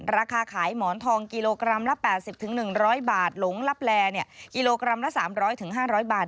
ราคาขายหมอนทองกิโลกรัมละแปดสิบถึงหนึ่งร้อยบาทหลงลับแลเนี่ยกิโลกรัมละสามร้อยถึงห้าร้อยบาท